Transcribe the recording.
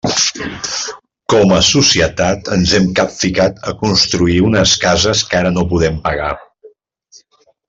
Com a societat ens hem capficat a construir unes cases que ara no podem pagar.